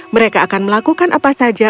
mereka akan melakukan apa saja